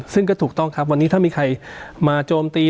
ซึ่งก็ถูกต้องครับวันนี้ถ้ามีใครมาโจมตี